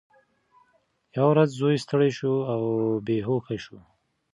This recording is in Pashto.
یوه ورځ زوی ستړی شو او بېهوښه شو.